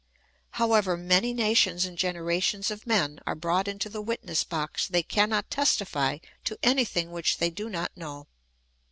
However many nations and generations of men are brought into the witness box, they cannot testify to anything which they do not know.